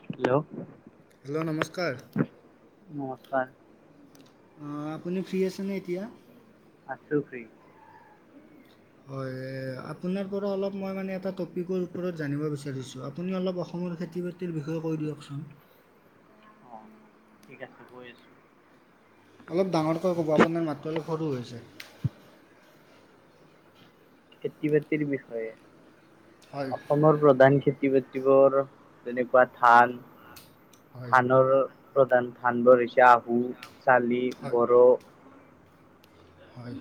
Hello hello নমস্কাৰ নমস্কাৰ অ', আপুনি ফ্ৰী আছেনে এতিয়া আছোঁ! ফ্ৰী হয়! আপোনাৰ পৰা অলপ মই মানে এটা টপিকৰ ওপৰত জানিব বিচাৰিছোঁ! আপুনি অলপ অসমৰ খেতি বাতিৰ বিষয়ে কৈ দিয়কচোন! অ', ঠিক আছে কৈ আছোঁ! অলপ ডাঙৰকৈ ক'ব! আপোনাৰ মাতটো অলপ সৰু হৈছে! খেতি বাতিৰ বিষয়ে অসমৰ প্ৰধান খেতি বাতিবোৰ যেনেকুৱা ধান ধানৰ প্ৰধান ধানবোৰ হৈছে আহু চালি বৰ' হয়!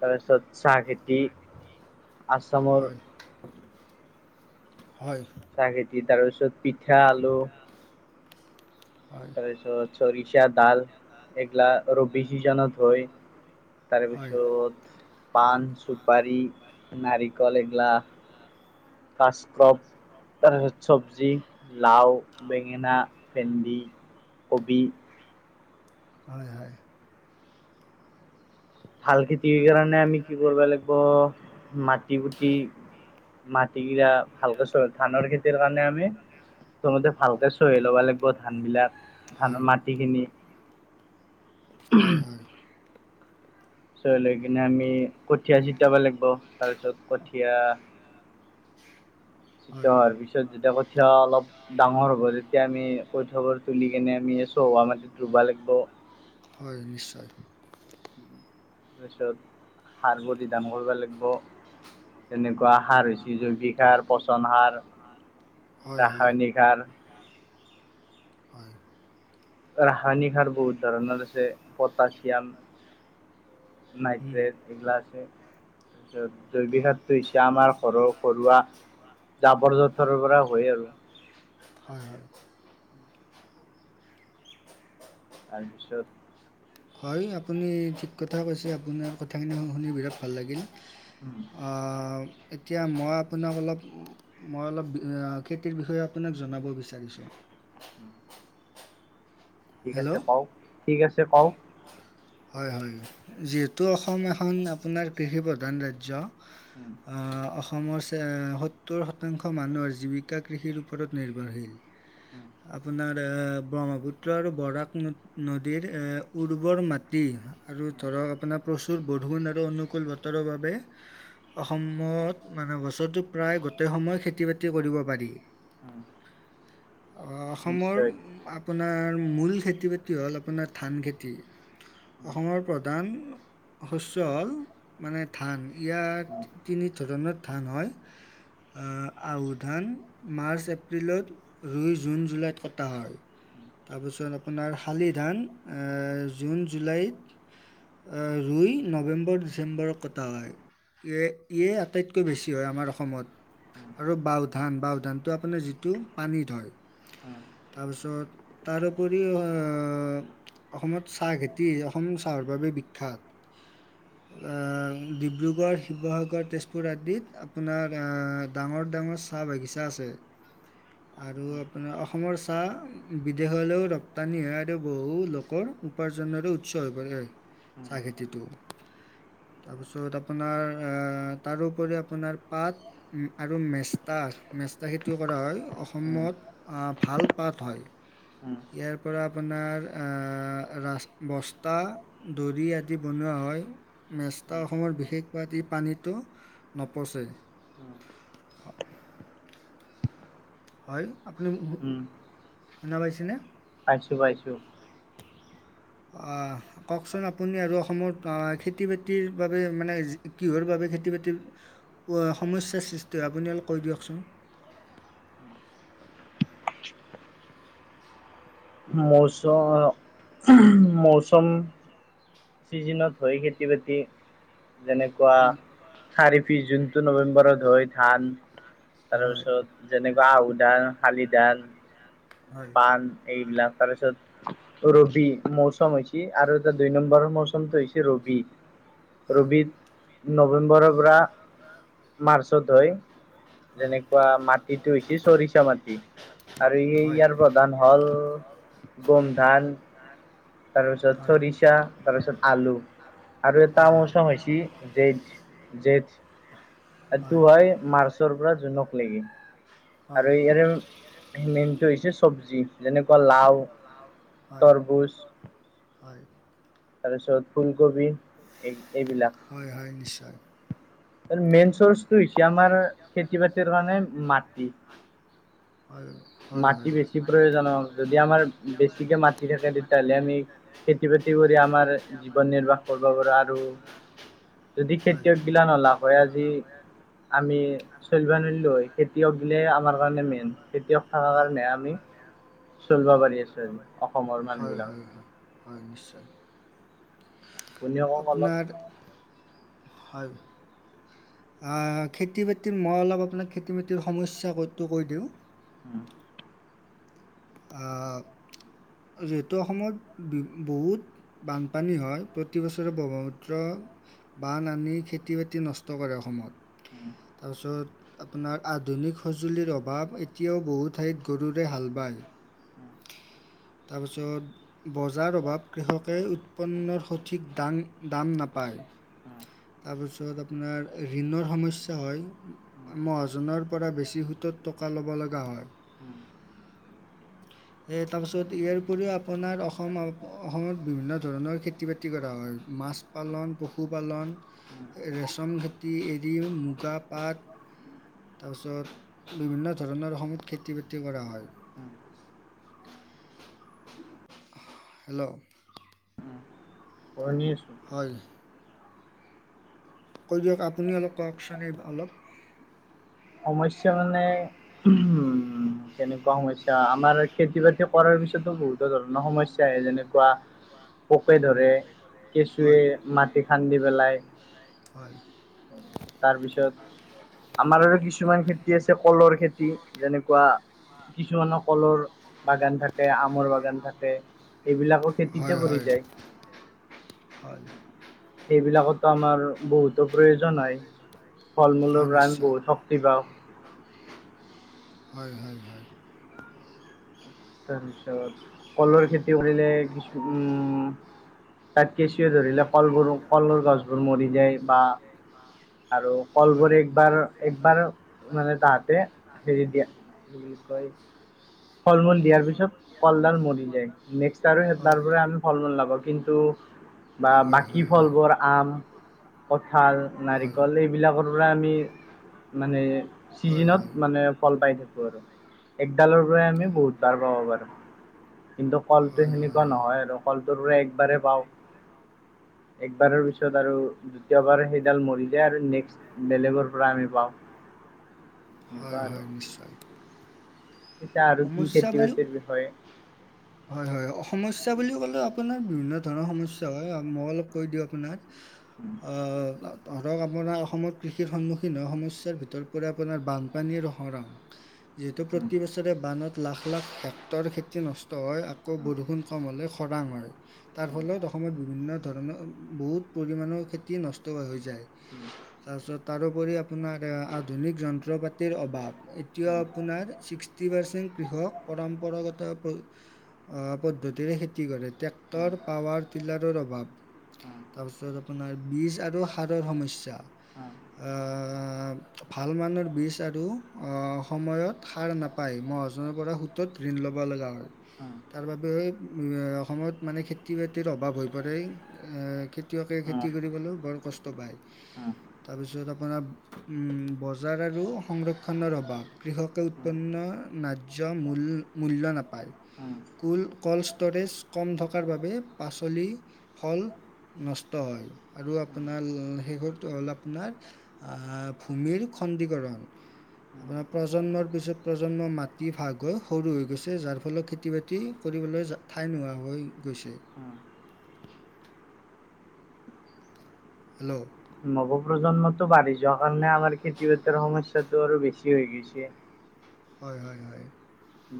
তাৰপিছত চাহ খেতি আচামৰ হয়! চাহ খেতি, তাৰ পিছত পিঠা, আলু, তাৰপিছত চৰিষা, দাল, এইগিলা ৰবি ছিজনত হয়। তাৰপিছত পান, চুপাৰি, নাৰিকল, এইগিলা কাচক্ৰপ, তাৰপিছত চবজি লাও, বেঙেনা, ভেণ্ডি, কবি, হয়, হয়! ভাল খেতি কাৰণে আমি কি কৰিব লাগিব! মাটি কুটি মাটি কিৰা ভালকে চ ধানৰ খেতিৰ কাৰণে আমি প্ৰথমতে, ভালকে চহি ল'ব লাগিব ধানবিলাক ধানৰ মাটিখিনি। হয়, হয়! চহাই লৈ কিনে আমি কঠীয়া চিতাব লাগিব। তাৰপিছত কঠীয়া হোৱাৰ পিছত, যেতিয়া কঠীয়া অলপ ডাঙৰ হ'ব যেতিয়া, আমি কৈঠবোৰ তুলি কেনে আমি চহুৱা মাটিত ৰুব লাগিব। হয়, নিশ্চয়! তাৰপিছত সাৰ বোৰ দি ডাঙৰ কৰিব লাগিব। তেনেকুৱা সাৰ হৈছে- জৈৱিক সাৰ, পচন সাৰ, ৰাসায়নিক সাৰ, ৰাসায়নিক সাৰ বহুত ধৰণৰ আছে। পটাছিয়াম, নাইট্ৰেট, এগিলা আছে, তাৰপিছত জৈৱিক সাৰটো হৈছে আমাৰ ঘৰৰ ঘৰুৱা জাবৰ-জোথৰ পৰা হয় আৰু। হয়, হয়! তাৰপিছত হয়, আপুনি ঠিক কথা কৈছে আপোনাৰ কথাখিনি শ শুনি বিৰাট ভাল লাগিল। উম! অঁ! এতিয়া মই আপোনাক অলপ মই অলপ খেতিৰ বিষয়ে আপোনাক জনাব বিচাৰিছো। ঠিক আছে কওক, ঠিক আছে কওক। হয়, হয়, যিহেতু অসম এখন আপোনাৰ কৃষি প্ৰধান ৰাজ্য। উম! অঁ, অসমৰ সত্তৰ শতাংশ মানুহৰ জীৱিকা কৃষিৰ ওপৰত নিৰ্ভৰশীল। আপোনাৰ এ ব্ৰহ্মপুত পুত্ৰ আৰু বৰাক নদীৰ উৰ্বৰ মাত তি, আৰু ধৰক আপোনাৰ প্ৰচুৰ বৰষুণ আৰু অনুকূল বতৰৰ বাবে অসমত মানে বছৰটো প্ৰায় গোটেই সময় খেতি বাতি কৰিব পাৰি। [unintelligible] অসমৰ আপোনাৰ মূল খেতি-বাতি হ'ল আপোনাৰ ধান খেতি। অসমৰ প্ৰধান শস্য হ'ল মানে ধান, ইয়াৰ তিনি ধৰণৰ ধান হয়। আ-আউ ধান মাৰ্চ এপ্ৰিলত, ৰুই জুন, জুলাইত কটা হয়। তাৰপিছত আপোনাৰ শালি ধান আ জুন, জুলাইত ৰুই। নৱেম্বৰ, ডিচেম্বৰত কটা হয়। ইয়ে, ইয়ে আটাইতকৈ বেছি হয় আমাৰ অসমত। আৰু বাও ধান, বাও ধানটো আপোনাৰ যিটো পানীত হয়। তাৰপিছত তাৰোপৰি অসমত চাহ খেতি, অসম চাহৰ বাবে বিখ্যাত। ডিব্ৰুগড়, শিৱসাগৰ, তেজপুৰ আদিত আপোনাৰ ডাঙৰ ডাঙৰ চাহ বাগিচা আছে। আৰু আপোনাৰ অসমৰ চাহ বিদেশলৈও ৰপ্তানি হয়টো বহু লোকৰ উপাৰ্জৰো উৎস হৈ পৰে, চাহ খেতিটো। তাৰপিছত আপোনাৰ তাৰোপৰি আপোনাৰ পাত উম আৰু মেষ্টা, মেষ্টা খেতিও কৰা হয় অসমত অ ভাল পাত হয়। ইয়াৰ পৰা আপোনাৰ এই, ৰাস বস্তা দৰি আদি বনোৱা হয়। মেষ্টা অসমৰ বিশেষ বাদি এই পানীটো নপছে। হয় আপুনি শুনা মোক পাইছেনে? পাইছো পাইছো। আহ। কওকচোন আপুনি আৰু অসমত খেতি বাতিৰ বাবে মানে, কিহৰ বাবে খেতি বাতিৰ অ, সমস্যাৰ সৃষ্টি হয় আপুনি অলপ কৈ দিয়কচোন। মৌচ, মৌচম। চিজনত হয় খেতি বাতি, যেনেকুৱা চাৰি পিচ জুন টো নৱেম্বৰত হৈ ধান তাৰপিছত যেনেকুৱা আহু ধান, শালি ধান, পাণ এইবিলাক তাৰপিছত ৰবি মৌচম হৈছি আৰু এটা দুই নম্বৰৰ মৌচমটো হৈছি ৰবি। ৰবি নৱেম্বৰৰ পৰা মাৰ্চত হয় যেনেক মাটিটো হৈছে চৰিষা মাটি আৰু এ ইয়াৰ প্ৰধান হ'ল গোমধান তাৰপিছত চৰিচা তাৰপিছত আলু আৰু এটা মৌচম হৈছে জেঠ জেঠ তাটো হয় মাৰ্চ পৰা জোনক লাগে আৰু ইয়াৰে মেইনটো হৈছে চব্জি। যেনেকুৱা লাও, তৰবুজ। হয়। তাৰপিছত, ফুলকবি এই এইবিলাক। হয়, হয় নিশ্চয়। আৰু মেইন চৰ্চটো হৈছে আমাৰ খেতি বাতিৰ কাৰণে মাটি। আৰু [unintelligible] মাটি বেছি প্ৰয়োজনৰ, যদি আমাৰ বেছিকে মাটি থাকে তেতিয়াহ'লে আমি খেতি বাতি কৰি আমাৰ জীৱন নিৰ্বাহ কৰিব পাৰা আৰু [unintelligible] যদি খেতিয়ক বিলা নহলা, হয় আজি আমি চলিব নৰলো হয়, খেতিয়ক দিলে আমাৰ কাৰণে মেইন। খেতিয়ক কাৰণে আমি, চলিব পাৰি আছো আজি অসমৰ মানুহ হয়, বিলাকে। হয় নিশ্চয়। আপুনি কওক অলপ। হয়। আঁ, খেতি বাতি মই অলপ আপোনাক খেতি বাতিৰ সমস্যাটো কৈ দিওঁ [unintelligible] আ, যিহেতু অসমত বহুত বানপানী হয় প্ৰতি বছৰে ব্ৰহ্মপুত্ৰ বান আনি খেতি বাতি নষ্ট কৰে অসমত তাৰপিছত আপোনাৰ আধুনিক সঁজুলিৰ অভাৱ এতিয়াও বহু ঠাইত গৰুৰে হাল বায় তাৰপিছত বজাৰ অভাৱ কৃষকে উৎপন্নৰ সঠিক দাং দাম নাপায় তাৰপিছত আপোনাৰ ঋণৰ সমস্যা হয় মহ'জনৰ পৰা বেছি সোঁতত টকা ল'ব লগা হয় [unintelligible] সেই তাৰপিছত ইয়াৰ উপৰিও আপোনাৰ অসম অসমত বিভিন্ন ধৰণৰ খেতি বাতি কৰা হয় মাছ - পালন পশুপালন ৰেচম খেতি এৰি মুগা পাট তাৰপিছত বিভিন্ন ধৰণৰ সময়ত খেতি বাতি কৰা হয় হেল্ল' শুনি আছো। হয় কৈ দিয়ক আপুনি অলপ কওকচোন এই অলপ সমস্যা মানে উ কেনেকুৱা সমস্যা আমাৰ খেতি বাতি কৰাৰ পিছতো বহুতো ধৰণৰ সমস্যা আহে যেনেকুৱা ক [unintelligible] পোকে ধৰে কেঁচুৱে মাটি খান্দি পেলাই হয় তাৰপিছত আমাৰ আৰু কিছু কিছুমান খেতি আছে কলৰ খেতি যেনেকুৱা কিছুমানৰ কলৰ বাগান থাকে আমৰ বাগান থাকে এইবিলাকো খেতিতে পৰি যায় হয় সেইবিলাকতো আমাৰ বহুতো প্ৰয়োজন হয় হয় নিশ্চয় হয় হয় হয় তাৰপিছত কলৰ খেতি কৰিলে কিছু উম তাত কেঁচুৱে ধৰিলে কলবোৰ কলৰ গছবোৰ মৰি যায় বা আৰু কলবোৰ একবাৰ একবাৰ মানে তাহাতে হেৰি দিয়া বুলি কয় ফল মূল দিয়া তাৰপিছত কলডাল মৰি যায় নেক্স আৰু সলাৰ পৰা আমি ফল মূল ল কিন্তু বা বাকী ফলবোৰ আম কঠাল নাৰিকল এইবিলাকৰ আমি মানে চিজনত মানে ফল পাই থাকো আৰু একডালৰ পৰা আমি বহুত বাৰ পাব পাৰো কিন্তু কলটো সেনেকুৱা নহয় আৰু ফলটোৰো একবাৰে পাওঁ একবাৰৰ পিছত আৰু দ্বিতীয়বাৰ সেইডাল মৰি যায় আৰু নেক্স বেলেগৰ পৰা আমি পাওঁ হয় হয় নিশ্চয় সমস্যা বুলিও হয় হয় সমস্যা বুলি ক'লে আপোনাৰ বিভিন্ন ধৰণৰ সমস্যা হয় মই অলপ কৈ দিওঁ আপোনাক [inaudible] উম অ ধৰক আপোনাৰ অসমত কৃষিৰ সন্মুখীন হোৱা সমস্যাৰ ভিতৰত পৰে আপোনাৰ বানপানীৰ ৰ সঁৰা যিহেতু প্ৰতি বছৰে বানত লাখ লাখ হেক্টৰ খেতি নষ্ট হয় আকৌ বৰষুণ কম হ'লে খৰাং হয় তাৰ ফলত অসমত বিভি ন্ন ধৰণৰ বহুত পৰিমাণৰ খেতি নষ্ট হৈ যায়। উম। তাৰপিছত তাৰ উপৰি আপোনাৰ এ আধুনিক যন্ত্ৰ পাতিৰ অভাৱ। এতিয়া আপোনাৰ ছিক্সটি পাৰ্চেণ্ট কৃষক পৰম্পৰাগত অ পদ্ধতিৰে খেতি কৰে ট্ৰেক্টৰ পাৱাৰ ডিলাৰৰ অভাৱ। তাৰপিছত আপোনাৰ বীজ আৰু সাৰৰ সমস্যা। আহহ ভাল মানুহৰ বীজ আৰু সময়ত সাৰ না পাই মহাজনৰ পৰা সোতত ঋণ ল'ব লগা হয়। তাৰ বাবে অসমত মানে খেতি বাতিৰ অভাৱ হৈ পৰে। এ খেতিয়কে খেতি কৰিবলৈও বৰ কষ্ট পায়। তাৰপিছত আপোনাৰ বজাৰ আৰু সংৰক্ষণৰ অভাৱ কৃষকে উৎপন্ন নায্য মূল মূল্য নাপায়। কুল কল্ড ষ্ট'ৰেজ কম থকাৰ বাবে পাচলি, ফল, নষ্ট হয় আৰু আপোনাৰ শেষটো হ'ল আপোনাৰ আহ ভূমিৰ খন্দিকৰণ আপোনাৰ প্ৰজন্মৰ পিছত প্ৰ প্ৰজন্ম মাটি ভাগ হৈ সৰু হৈ গৈছে যাৰ ফলত খেতি বাতি কৰিবলৈ ঠাই নোহোৱা হৈ গৈছে। হেল্ল'! নৱপ্ৰজন্মটো বাঢ়ি যোৱা কাৰণে আমাৰ খেতি বাতিৰ সমস্যাটো আৰু বেছি হৈ গৈছে। হয় হয় হয়।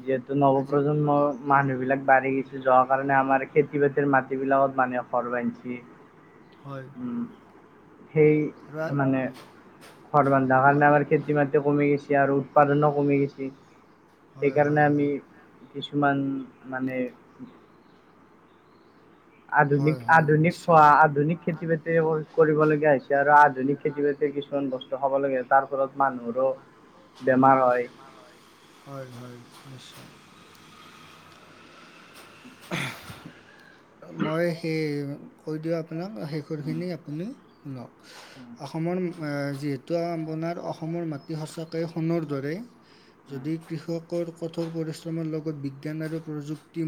যিহেতু নৱপ্ৰজন্মৰ মানুহ বিলাক বাঢ়ি গৈছে যোৱাৰ কাৰণে আমাৰ খেতি বাতিৰ মাটি বিলাকত মানুহে ঘৰ বনাইছি। হয়। সেই মানে অলপমান ডাঙৰ ডাঙৰ খেতি বাতি কমি গৈছে আৰু উৎপাদনো কমি গৈছি সেইকাৰণে আমি কিছুমান মানে আধুনিক আধুনিক খোৱা আধুনিক খেতি বাতি কৰিবলগীয়া হৈছে আৰু আধুনিক খেতি বাতি কিছুমান বস্তু খাব লাগে তাৰ ফলত মানুহৰো বেমাৰ হয় হয় হয় নিশ্চয়। মই সেই কৈ দিও আপোনাক শেষৰখিনি আপুনি শুনক অসমৰ যিহে তু আপোনাৰ অসমৰ মাটি সঁচাকৈ সোণৰ দৰে যদি কৃষকৰ কঠোৰ পৰিশ্ৰমৰ লগত বিজ্ঞান আৰু প্ৰযুক্তি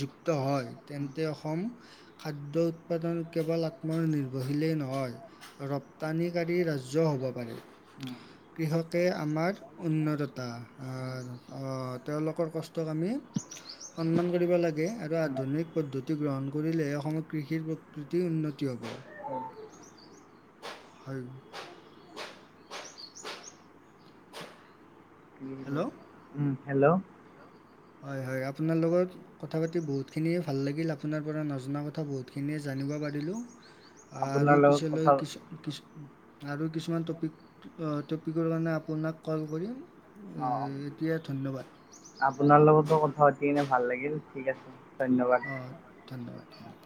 যুক্ত হয় তেনে সমূহ খাদ্য উৎপাদন কেৱল আত্মনিৰ্ভৰশীলেই নহয় ৰপ্তানিকাৰী ৰাজ্য হ'ব পাৰে কৃষকে আমাৰ উন্নততা তেওঁলোকৰ কষ্টত আমি সন্মান কৰিব লাগে আৰু আধুনিক পদ্ধ তি গ্ৰহণ কৰিলে অসমত কৃষিৰ প্ৰকৃতি উন্নতি হ'ব। হয়। হেল্ল'! উম, হেল্ল'! হয় হয় আপোনাৰ লগত কথা পাতি বহুতখিনিয়ে ভাল লাগিল আপোনাৰ পৰা নজনা কথা বহুতখিনিয়ে জানিব পাৰিলোঁ আৰু পিছলৈ কিছু কিছু আৰু কিছুমান টপিক টপিকৰ কাৰণে আপোনাক কল কৰিম। উম এতিয়া ধন্যবাদ আপোনাৰ লগতো কথা পাতি এনে ভাল লাগিল ঠিক আছে অ ধন্যবাদ ধন্যবাদ